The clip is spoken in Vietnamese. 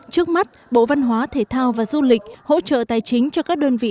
trước mắt bộ văn hóa thể thao và du lịch hỗ trợ tài chính cho các đơn vị tổ chức biểu dịch